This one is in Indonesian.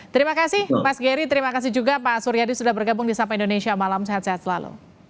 terima kasih mas geri terima kasih juga pak suryadi sudah bergabung di sapa indonesia malam sehat sehat selalu